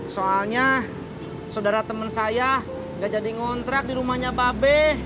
soalnya saudara teman saya gak jadi ngontrak di rumahnya babe